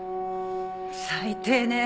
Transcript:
最低ね。